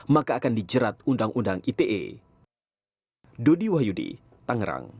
maka akan dijerat undang undang ite